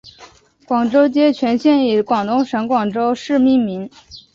广州街全线以广东省广州市命名。